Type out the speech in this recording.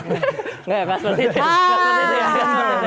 nggak ya pak sertiti